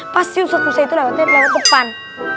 pasti ustadz musa itu lewatnya lewat depan